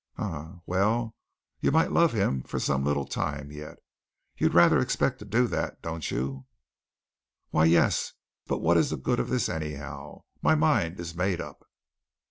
"Um, well, you might love him for some little time yet. You rather expect to do that, don't you?" "Why, yes, but what is the good of this, anyhow? My mind is made up."